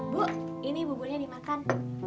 bu ini bubunya dimakan